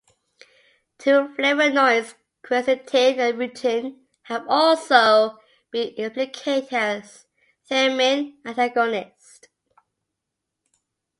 Two flavonoids, quercetin and rutin, have also been implicated as thiamine antagonists.